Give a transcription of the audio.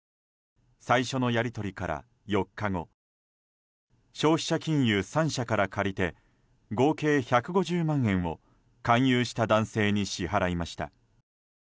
最初のやり取りから４日後消費者金融３社から借りて合計１５０万円を勧誘した男性に支払いました。